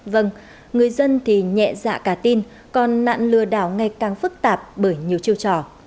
vâng người dân thì nhẹ dạ cả tin còn nạn lừa đảo ngày càng phức tạp bởi nhiều chiêu trò